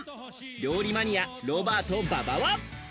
料理マニアロバート・馬場は。